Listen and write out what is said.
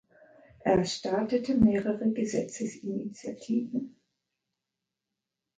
Er startete mehrere Gesetzesinitiativen.